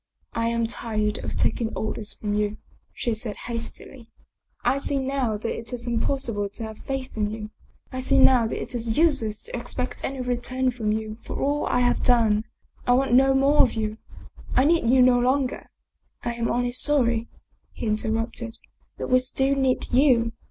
" I am tired of taking orders from you," she said hastily. " I see now that it is impossible to have faith in you ; I see now that it is useless to expect any return from you for all I^have done. I want no more of you. I need you no longer." " I am only sorry/' he interrupted, " that we still need you.